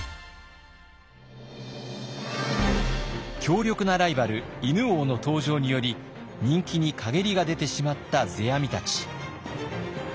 強力なライバル犬王の登場により人気に陰りが出てしまった世阿弥たち。